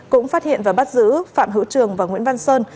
cũng phát hiện và bắt giữ phạm hữu trường và nguyễn văn sơn